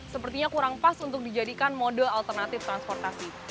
sepertinya kurang pas untuk dijadikan mode alternatif transportasi